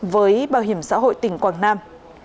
với bảo hiểm xã hội tỉnh quảng nam